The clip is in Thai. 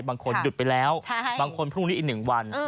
บางคนหยุดไปแล้วบางคนพรุ่งนี้อีก๑วัน